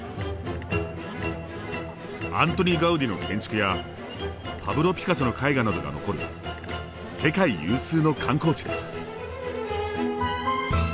アントニ・ガウディの建築やパブロ・ピカソの絵画などが残る世界有数の観光地です。